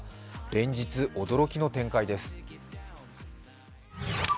連日、驚きの展開です。